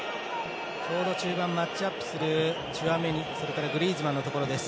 ちょうど中盤マッチアップするチュアメニグリーズマンのところです。